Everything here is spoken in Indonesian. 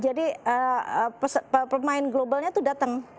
jadi pemain globalnya itu datang